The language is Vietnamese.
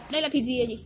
đây là thịt gì hả chị